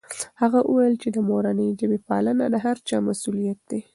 هغه وویل چې د مورنۍ ژبې پالنه د هر چا مسؤلیت دی.